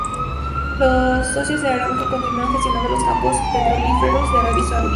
Los socios de Aramco continuaron gestionando los campos petrolíferos de Arabia Saudí.